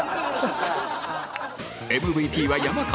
ＭＶＰ は山川